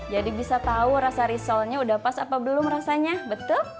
jadi bisa tahu rasa risolnya udah pas apa belum rasanya betul